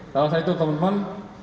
selesai itu temen temen